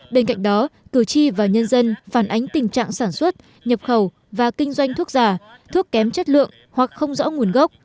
bên cạnh đó cử tri và nhân dân phản ánh tình trạng sản xuất nhập khẩu và kinh doanh thuốc giả thuốc kém chất lượng hoặc không rõ nguồn gốc